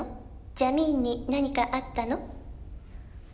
「ジャミーンに何かあったの？」